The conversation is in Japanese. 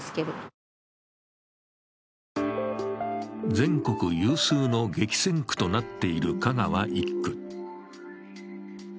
全国有数の激戦区となっている香川１区。